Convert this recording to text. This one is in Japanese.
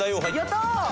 やったー！